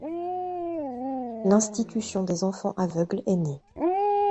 L’Institution des Enfants Aveugles est née.